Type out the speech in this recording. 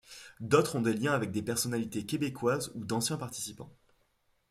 D'autres ont des liens avec des personnalités québécoises ou d'anciens participants.